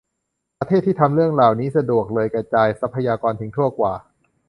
ประเทศที่ทำเรื่องเหล่านี้สะดวกเลยกระจายทรัพยากรทั่วถึงกว่า ?